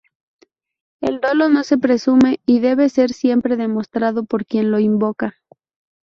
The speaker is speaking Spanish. El dolo no se presume y debe ser siempre demostrado por quien lo invoca.